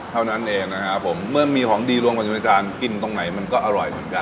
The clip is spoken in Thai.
เท่านั้นเองนะครับผมเมื่อมีของดีรวมกว่าอยู่ในจานกินตรงไหนมันก็อร่อยเหมือนกัน